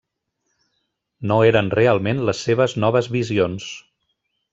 No eren realment les seves noves visions.